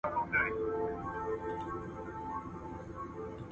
اوس د کمپيوټر وخت دی.